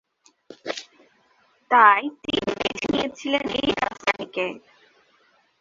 তাই তিনি বেছে নিয়েছিলেন এই রাস্তাটিকে।